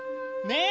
ね